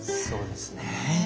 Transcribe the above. そうですね。